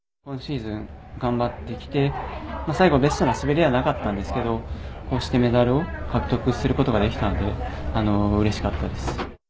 今シーズン、頑張ってきて最後、ベストな滑りではなかったんですがこうしてメダルを獲得することができたのでうれしかったです。